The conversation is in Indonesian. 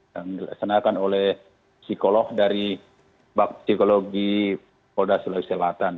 yang dilaksanakan oleh psikolog dari psikologi polda sulawesi selatan